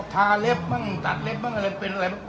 ทาเล็บบ้างตัดเล็บบ้างอะไรเป็นอะไร